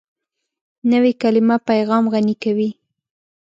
نوې کلیمه پیغام غني کوي